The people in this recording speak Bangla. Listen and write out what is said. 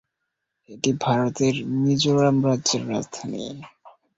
এটি ভারতের মিজোরাম রাজ্যের রাজধানী।